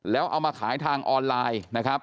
แล้วเอามาขายทางออนไลน์นะครับ